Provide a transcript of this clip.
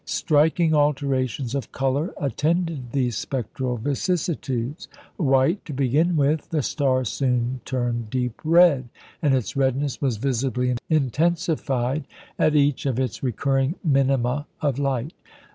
Striking alterations of colour attended these spectral vicissitudes. White to begin with, the star soon turned deep red, and its redness was visibly intensified at each of its recurring minima of light.